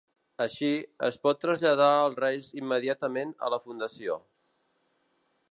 Així, es pot traslladar els reis immediatament a la fundació.